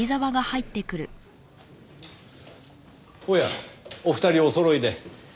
おやお二人おそろいで。